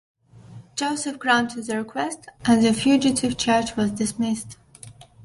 Joseph granted the request and the fugitive charge was dismissed.